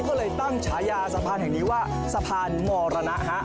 ก็เลยตั้งฉายาสะพานแห่งนี้ว่าสะพานมรณะฮะ